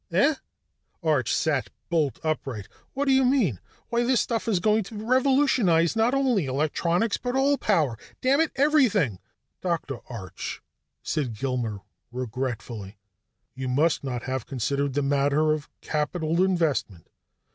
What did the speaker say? "Eh?" Arch sat bolt upright. "What do you mean? Why, this stuff is going to revolutionize not only electronics, but all power dammit, everything!" "Dr. Arch," said Gilmer regretfully, "you must not have considered the matter of capital investment.